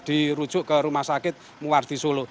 dirujuk ke rumah sakit muartisolo